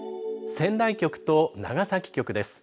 仙台局と長崎局です。